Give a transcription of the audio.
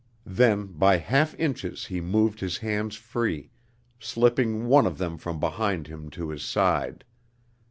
Then by half inches he moved his hands free, slipping one of them from behind him to his side.